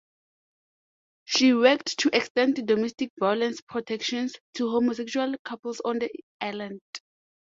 She worked to extend domestic violence protections to homosexual couples on the island.